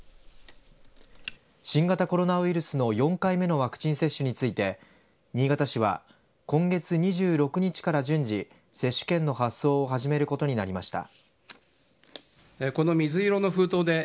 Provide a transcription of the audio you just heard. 新型コロナウイルスの４回目のワクチン接種について新潟市は今月２６日から順次接種券の発送を始めることになりました。